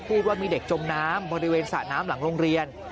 พูดว่ามีเด็กจมน้ำบริเวณสระน้ำหลังโรงเรียน